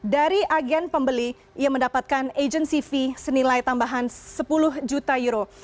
dari agen pembeli ia mendapatkan agency senilai tambahan sepuluh juta euro